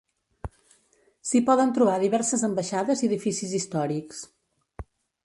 S'hi poden trobar diverses ambaixades i edificis històrics.